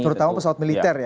terutama pesawat militer ya